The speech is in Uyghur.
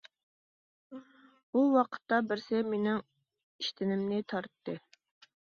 بۇ ۋاقىتتا بىرسى مىنىڭ ئىشتىنىمنى تارتتى.